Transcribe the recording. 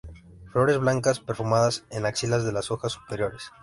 Flores blancas, perfumadas, en axilas de las hojas superiores.